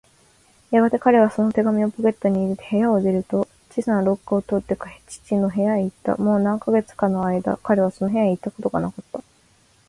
やがて彼はその手紙をポケットに入れ、部屋を出ると、小さな廊下を通って父の部屋へいった。もう何カ月かのあいだ、彼はその部屋へいったことがなかった。